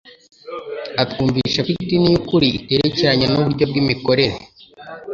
atwumvisha ko idini y'ukuri iterekeranye n'uburyo bw'imikorere,